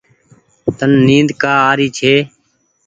تن نيد ڪآ آري ڇي ۔